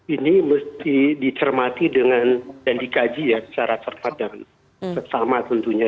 ini mesti dicermati dengan dan dikaji ya secara cepat dan sesama tentunya